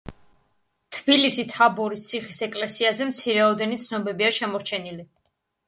თბილისის თაბორის ციხის ეკლესიაზე მცირეოდენი ცნობებია შემორჩენილი.